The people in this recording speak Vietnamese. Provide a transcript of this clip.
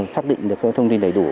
xác định được thông tin đầy đủ